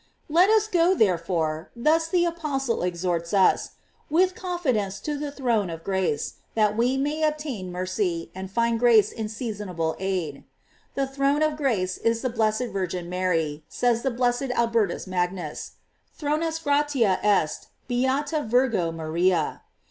f "Let us go therefore," thus the apostle ex horts us, " with confidence to the throne of grace; that we may obtain mercy, and find grace in seasonable aid."J The throne of grace is the blessed Virgin Mary, says the blessed Albertus Magnus:" Thronus gratia est beata Virgo Maria.